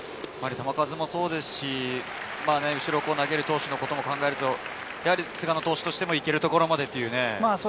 球数もそうですし、後ろ投げる投手のことも考えると菅野投手としても、いけるところまでというね。